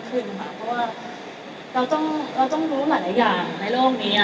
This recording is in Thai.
เพราะว่าเราต้องรู้หลายอย่างในโลกนี้